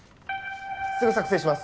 すぐ作成します